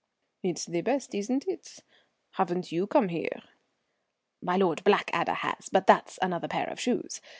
"It's the best, isn't it? Haven't you come here?" "My Lord Blackadder has, but that's another pair of shoes.